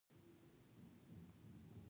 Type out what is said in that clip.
زه پوهېدم چې امنيت والا مې څاري.